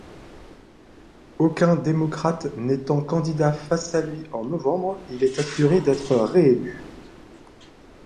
Aucun démocrate n'étant candidat face à lui en novembre, il est assuré d'être réélu.